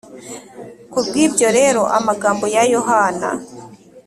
Ku bw ibyo rero amagambo ya Yohana